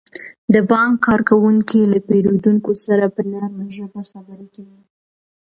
د بانک کارکوونکي له پیرودونکو سره په نرمه ژبه خبرې کوي.